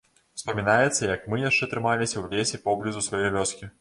Успамінаецца, як мы яшчэ трымаліся ў лесе поблізу сваёй вёскі.